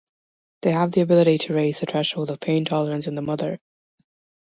They have the ability to raise the threshold of pain tolerance in the mother.